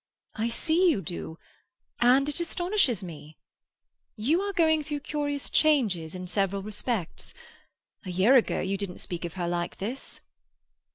"I see you do, and it astonishes me. You are going through curious changes, in several respects. A year ago you didn't speak of her like this."